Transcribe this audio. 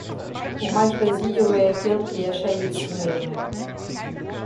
O mais vazio é aquele que é cheio de si mesmo.